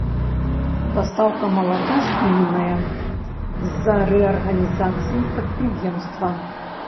Пастаўкі малака спыненыя з-за рэарганізацыі прадпрыемства.